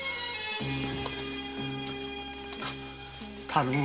頼む。